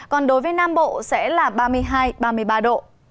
còn đối với nam bộ sẽ là ba mươi hai ba mươi ba độ